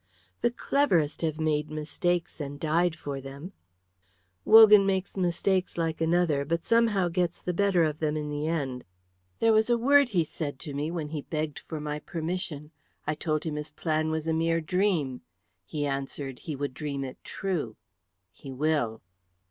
"The cleverest have made mistakes and died for them." "Wogan makes mistakes like another, but somehow gets the better of them in the end. There was a word he said to me when he begged for my permission. I told him his plan was a mere dream. He answered he would dream it true; he will."